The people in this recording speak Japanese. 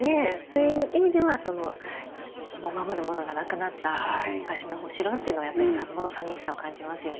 そういう意味では守るものがなくなった昔のお城っていうのはやっぱり物寂しさを感じますよね。